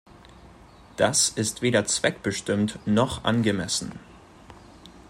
Das ist weder zweckbestimmt noch angemessen.